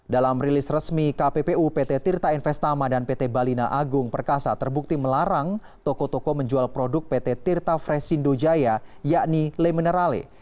dalam rilis resmi kppu pt tirta investama dan pt balina agung perkasa terbukti melarang toko toko menjual produk pt tirta fresindo jaya yakni le minerale